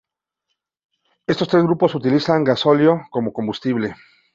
Estos tres grupos utilizan gasóleo como combustible.